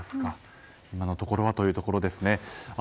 今のところということですね。